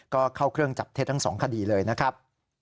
ก็เข้าเครื่องจับเท็จทั้ง๒คดีเลยนะครับ